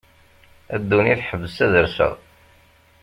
A ddunit ḥbes ad rseɣ.